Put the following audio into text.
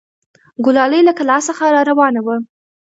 ګلالۍ له کلا څخه راروانه وه.